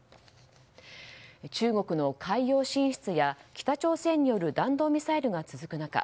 中国の海洋進出や北朝鮮による弾道ミサイルが続く中